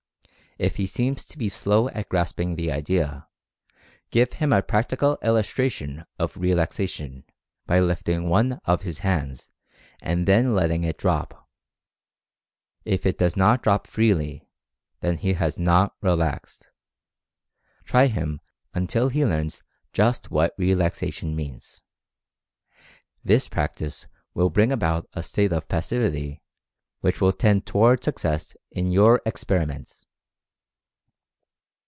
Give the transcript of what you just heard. If he seems to be slow at grasping the idea, give him a practical illustration of "relaxation," by lifting one of his hands and then let ting it drop. If it does not drop freely, then he has not relaxed. Try him until he learns just what "relaxation" means. This practice will bring about a state of pas sivity which will tend toward success in your experi ment.